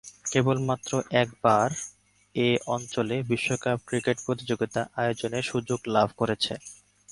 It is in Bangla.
কেবলমাত্র একবার এ অঞ্চলে বিশ্বকাপ ক্রিকেট প্রতিযোগিতা আয়োজনের সুযোগ লাভ করেছে।